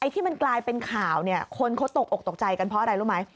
ที่มันกลายเป็นข่าวคนเขาตกอกตกใจกันเพราะอะไรรู้ไหม